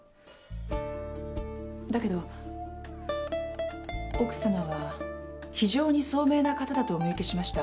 だけど奥さまは非常に聡明な方だとお見受けしました。